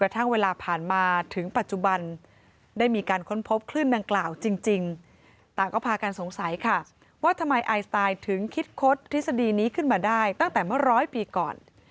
ทำไมไอสไตน์ถึงคิดคตทฤษฎีนี้ขึ้นมาได้ตั้งแต่เมื่อ๑๐๐ปีก่อน